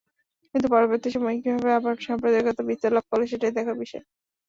কিন্তু পরবর্তী সময়ে কীভাবে আবার সাম্প্রদায়িকতা বিস্তার লাভ করল, সেটাই দেখার বিষয়।